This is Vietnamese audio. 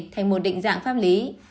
thành một định dạng pháp lý